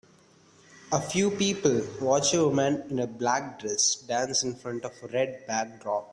A few people watch a woman in a black dress dance in front of a red backdrop.